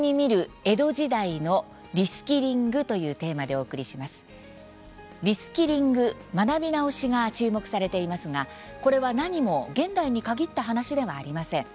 リスキリング・学び直しが注目されていますがこれは何も現代に限った話ではありません。